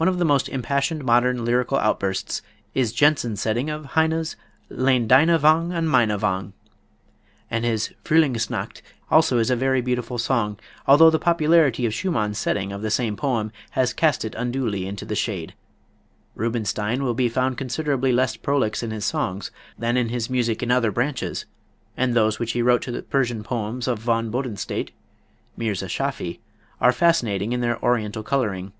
One of the most impassioned modern lyrical outbursts is Jensen's setting of Heine's "Lehn deine Wang' an Meine Wang'," and his "Frühlingsnacht" also is a very beautiful song, although the popularity of Schumann's setting of the same poem has cast it unduly into the shade. Rubinstein will be found considerably less prolix in his songs than in his music in other branches, and those which he wrote to the Persian poems of Von Bodenstedt ("Mirza Schaffy") are fascinating in their Oriental coloring.